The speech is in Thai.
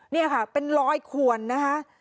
นี่ค่ะเป็นรอยขวนนะคะ